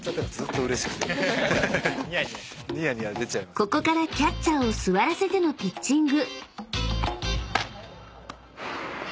［ここからキャッチャーを座らせてのピッチング］